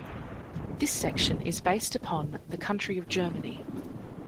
This section is based upon the country of Germany.